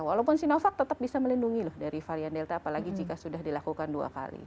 walaupun sinovac tetap bisa melindungi loh dari varian delta apalagi jika sudah dilakukan dua kali